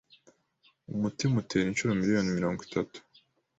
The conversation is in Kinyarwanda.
umutima utera inshuro Miliyoni mirongo itatu